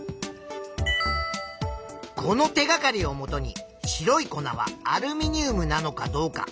この手がかりをもとに「白い粉はアルミニウムなのかどうか」。